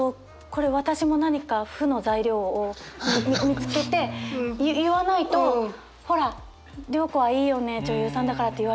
これ私も何か負の材料を見つけて言わないと「ほら涼子はいいよね女優さんだから」って言われちゃうと思って。